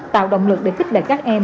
tạo động lực để kích lệ các em